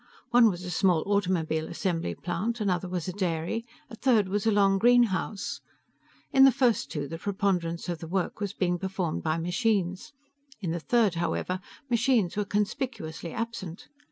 One was a small automobile assembly plant, another was a dairy, a third was a long greenhouse. In the first two the preponderance of the work was being performed by machines. In the third, however, machines were conspicuously absent.